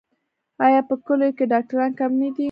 آیا په کلیو کې ډاکټران کم نه دي؟